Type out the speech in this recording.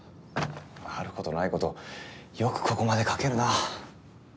ある事ない事よくここまで書けるな。